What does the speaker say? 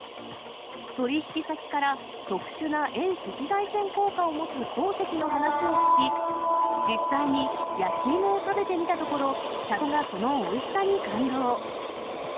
取り引き先から特殊な遠赤外線効果を持つ鉱石の話を聞き、実際に焼き芋を食べてみたところ、社長がそのおいしさに感動。